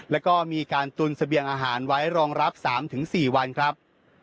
แล้วก็มีการตุนเสบียงอาหารไว้รองรับ๓๔วันครับ